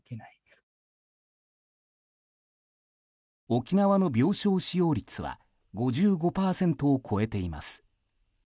沖縄の病床使用率は５５％を超えています。